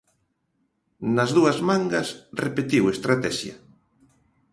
Nas dúas mangas, repetiu estratexia.